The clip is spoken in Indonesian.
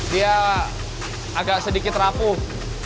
dia agak sedikit rapuh